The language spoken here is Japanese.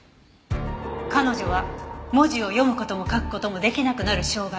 彼女は文字を読む事も書く事も出来なくなる障害。